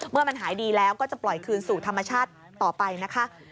เมื่อมันหายดีแล้วก็จะปล่อยคืนสู่ธรรมชาติต่อไปนะคะ